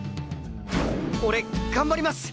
俺頑張ります！